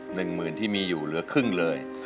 หนึ่งหมื่นที่มีอยู่เหลือครึ่งเลย